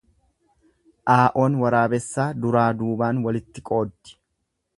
Aa'oon waraabessaa duraa duubaan walitti qooddi.